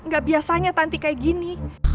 gak biasanya tanti kayak gini